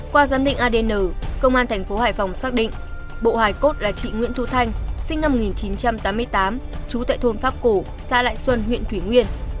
qua giám định adn công an thành phố hải phòng xác định bộ hải cốt là chị nguyễn thu thanh sinh năm một nghìn chín trăm tám mươi tám trú tại thôn pháp củ xã lại xuân huyện thủy nguyên